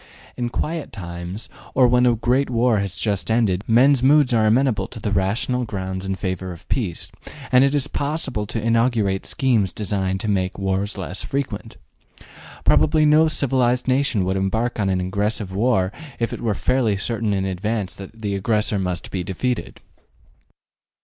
In quiet times, or when a great war has just ended, men's moods are amenable to the rational grounds in favor of peace, and it is possible to inaugurate schemes designed to make wars less frequent. Probably no civilized nation would embark upon an aggressive war if it were fairly certain in advance that the aggressor must be defeated.